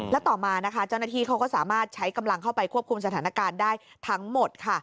แล้วต่อมานะคะเจ้าหน้าที่เขาก็สามารถใช้กำลังเข้าไปควบคุมสถานการณ์ได้ทั้งหมดค่ะ